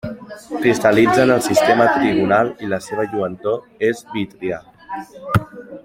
Cristal·litza en el sistema trigonal i la seva lluentor és vítria.